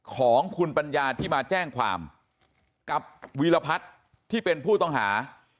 ของคุณปัญญาที่มาแจ้งความกับวีรพัฒน์ที่เป็นผู้ต้องหา